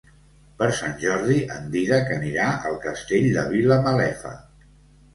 Per Sant Jordi en Dídac anirà al Castell de Vilamalefa.